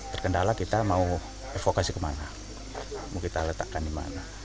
terkendala kita mau evokasi kemana mau kita letakkan di mana